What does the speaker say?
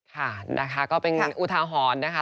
ค่ะนะคะก็เป็นอุทาหรณ์นะคะ